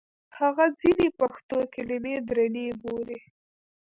هغه ځینې پښتو کلمې درنې بولي.